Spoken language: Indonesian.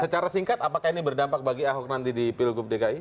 secara singkat apakah ini berdampak bagi ahok nanti di pilgub dki